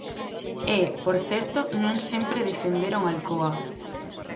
E, por certo, non sempre defenderon Alcoa.